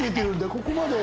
ここまで。